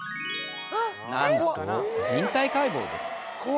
何と人体解剖です